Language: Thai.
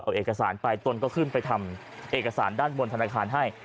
เอาเอกสารไปตนก็ขึ้นไปทำเอกสารด้านบนธนาคารให้